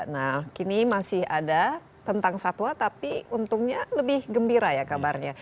nah kini masih ada tentang satwa tapi untungnya lebih gembira ya kabarnya